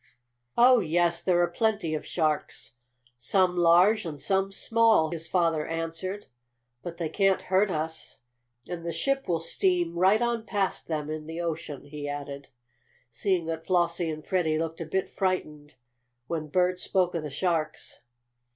"Oh, yes, there are plenty of sharks, some large and some small," his father answered. "But they can't hurt us, and the ship will steam right on past them in the ocean," he added, seeing that Flossie and Freddie looked a bit frightened when Bert spoke of the sharks.